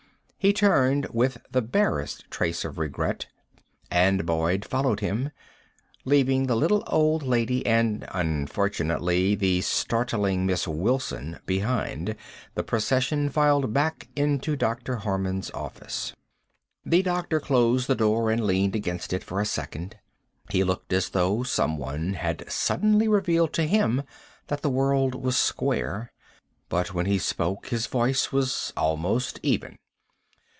He turned with the barest trace of regret, and Boyd followed him. Leaving the little old lady and, unfortunately, the startling Miss Wilson, behind, the procession filed back into Dr. Harman's office. The doctor closed the door, and leaned against it for a second. He looked as though someone had suddenly revealed to him that the world was square. But when he spoke his voice was almost even.